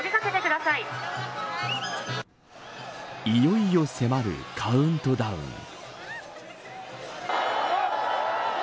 いよいよ迫るカウントダウン。